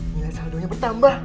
nilai saldo nya bertambah